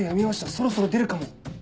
そろそろ出るかも。